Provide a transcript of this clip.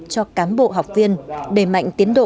cho cám bộ học viên đẩy mạnh tiến độ